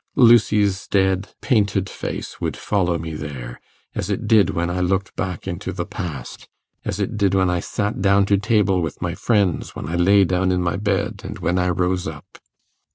Lucy's dead painted face would follow me there, as it did when I looked back into the past as it did when I sat down to table with my friends, when I lay down in my bed, and when I rose up.